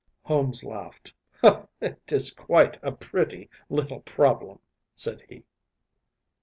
‚ÄĚ Holmes laughed. “It is quite a pretty little problem,‚ÄĚ said he.